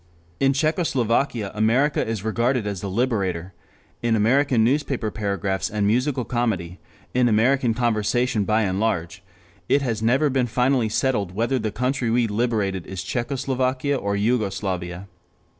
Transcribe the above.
In Czechoslovakia America is regarded as the Liberator; in American newspaper paragraphs and musical comedy, in American conversation by and large, it has never been finally settled whether the country we liberated is Czechoslavia or Jugoslovakia.